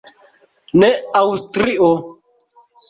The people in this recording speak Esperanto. Ne Aŭstrio.